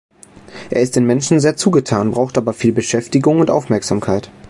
Er ist den Menschen sehr zugetan, braucht aber viel Beschäftigung und Aufmerksamkeit.